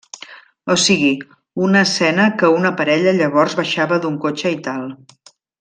O sigui, una escena que una parella llavors baixava d'un cotxe i tal.